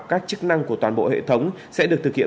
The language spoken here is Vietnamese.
các chức năng của toàn bộ hệ thống sẽ được thực hiện